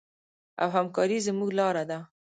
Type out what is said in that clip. او همکاري زموږ لاره ده.